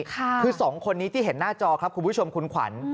คือสองคนนี้ที่เห็นหน้าจอครับคุณผู้ชมคุณขวัญ